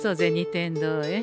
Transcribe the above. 天堂へ。